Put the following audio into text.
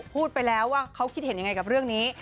พูดไปแล้วว่าเขาคิดเห็นยังไงกับเรื่องนี้